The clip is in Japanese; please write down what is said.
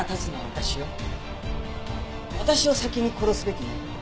私を先に殺すべきね。